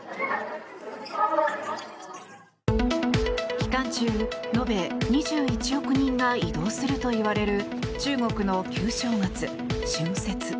期間中、延べ２１億人が移動するといわれる中国の旧正月、春節。